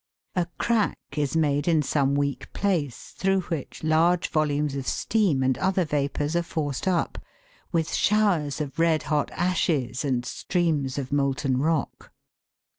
A crack is made in some weak place, through which large volumes of steam and other vapours are forced up, with showers of red hot ashes and streams of molten rock.